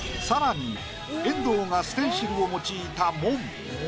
さらに遠藤がステンシルを用いた門。